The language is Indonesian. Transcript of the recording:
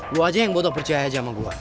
lo aja yang botol percaya aja sama gue